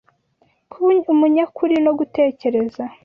kuba umunyakuri no gutekereza